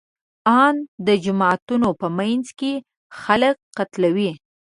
ان د جوماتونو په منځ کې خلک قتلوي.